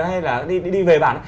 hay là đi về bản